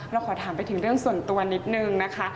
เราขอถามไปถึงเรื่องส่วนตัวนิดนึงนะคะ